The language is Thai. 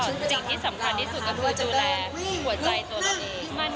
ซึ่งสิ่งที่สำคัญที่สุดก็คือดูแลหัวใจตัวเราเอง